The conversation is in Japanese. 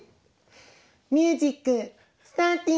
ミュージックスターティン！